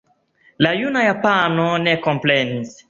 La juna japano ne komprenis.